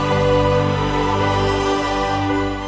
aku tidak tahu